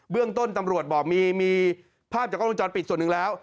เรื่องต้นตำรวจบอกมีภาพจากกล้องวงจรปิดส่วนหนึ่งแล้ว